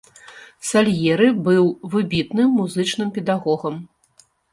Сальеры быў выбітным музычным педагогам.